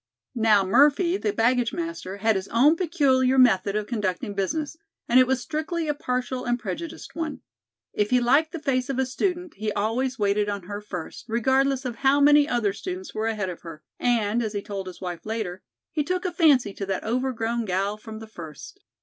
Now, Murphy, the baggage master, had his own peculiar method of conducting business, and it was strictly a partial and prejudiced one. If he liked the face of a student, he always waited on her first, regardless of how many other students were ahead of her; and, as he told his wife later, he "took a fancy to that overgrown gal from the fust."